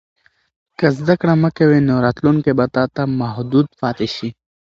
که زده کړه مه کوې، نو راتلونکی به تا ته محدود پاتې شي.